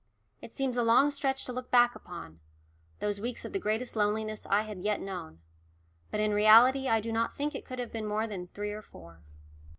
It seems a long stretch to look back upon those weeks of the greatest loneliness I had yet known but in reality I do not think it could have been more than three or four.